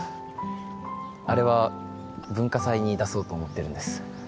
あれは文化祭に出そうと思ってるんです